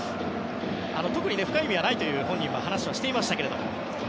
特に深い意味はないという話を本人はしていましたけども。